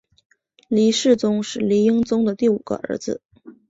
黎世宗是黎英宗的第五个儿子。